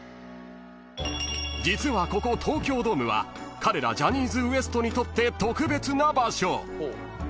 ［実はここ東京ドームは彼らジャニーズＷＥＳＴにとって特別な場所］